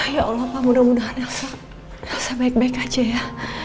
ya allah pak mudah mudahan rasa baik baik aja ya